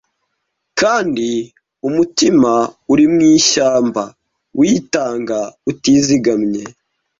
kandi umutima uri mwishyamba witanga utizigamye